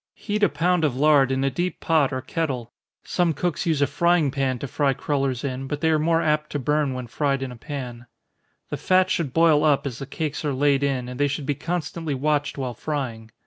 Heat a pound of lard in a deep pot or kettle, (some cooks use a frying pan to fry crollers in, but they are more apt to burn when fried in a pan.) The fat should boil up, as the cakes are laid in, and they should be constantly watched while frying.